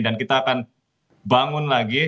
dan kita akan bangun lagi